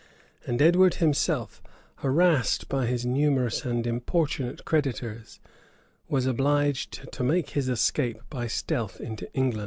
And Edward himself, harassed by his numerous and importunate creditors, was obliged to make his escape by stealth into England.